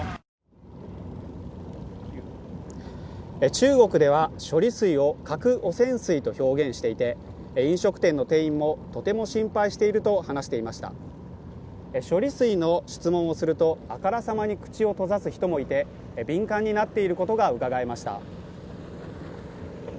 中国では処理水を核汚染水と表現していて飲食店の店員もとても心配していると話していました処理水の質問をするとあからさまに口を閉ざす人もいて敏感になっていることがうかがえました